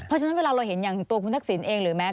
เพราะฉะนั้นเวลาเราเห็นอย่างตัวคุณทักษิณเองหรือแม้